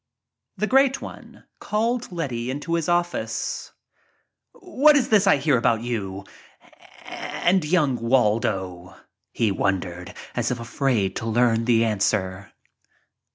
The Great One called Letty into his office. "What is this I hear about you — and young Waldo?" he wondered, as if afraid to learn the answer.